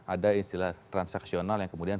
ada istilah transaksional yang kemudian